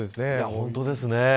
本当ですね。